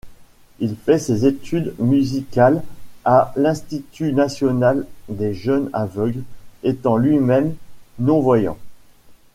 Il fait ses études musicales à l'Institut national des jeunes aveugles étant lui-même non-voyant.